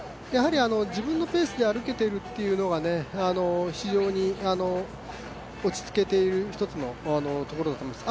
自分のペースで歩けているというのが非常に落ち着けている１つのところだと思います。